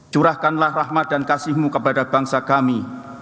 curahkanlah rahmat dan kasihmu kepada bangsa kami